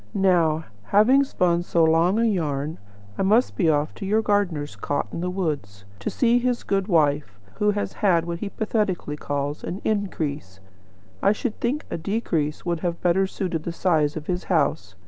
"Now, having spun so long a yarn, I must be off to your gardener's cot in the wood, to see his good wife, who has had what he pathetically calls 'an increase.' I should think a decrease would have better suited the size of his house.